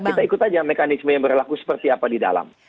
kita ikut aja mekanisme yang berlaku seperti apa di dalam